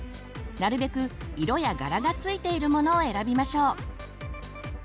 なるべく色や柄がついているモノを選びましょう。